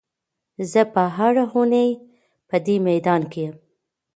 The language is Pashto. زه به هره اونۍ په دې میدان کې یم.